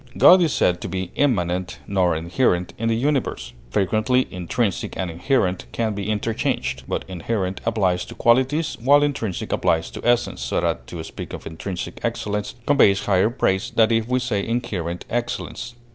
God is said to be immanent (not inherent) in the universe. Frequently intrinsic and inherent can be interchanged, but inherent applies to qualities, while intrinsic applies to essence, so that to speak of intrinsic excellence conveys higher praise than if we say inherent excellence.